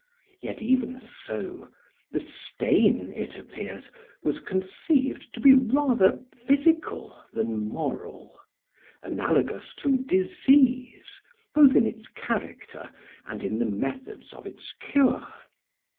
Yet even so, the stain, it appears, was conceived to be rather physical than moral, analogous to disease both in its character and in the methods of its cure.